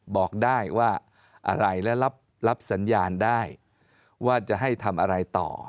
บอกได้ว่าอะไรและรับสัญญาณได้ว่าจะให้ทำอะไรต่อ